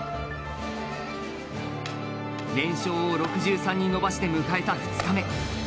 連勝を６３に伸ばして迎えた２日目。